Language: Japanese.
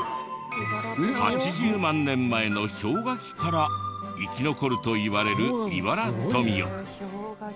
８０万年前の氷河期から生き残るといわれるイバラトミヨ。